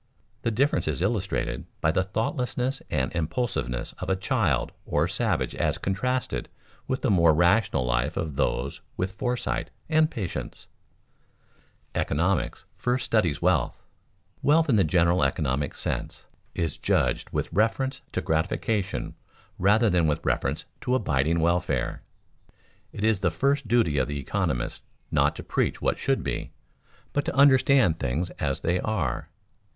The difference is illustrated by the thoughtlessness and impulsiveness of a child or savage as contrasted with the more rational life of those with foresight and patience. [Sidenote: Economics first studies wealth] Wealth, in the general economic sense, is judged with reference to gratification rather than with reference to abiding welfare. It is the first duty of the economist not to preach what should be, but to understand things as they are.